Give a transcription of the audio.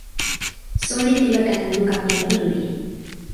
soweli li weka tan luka pi jan Kuntuli.